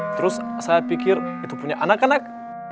terus saya pikir itu punya anak anak